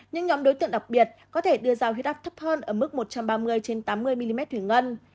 những nhóm đối tượng đặc biệt có thể đưa ra huyết áp thấp hơn ở mức một trăm ba mươi trên tám mươi mm thủy ngân